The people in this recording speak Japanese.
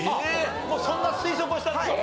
もうそんな推測はしたのか。